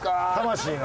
魂の。